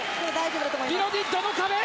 ビロディドの壁。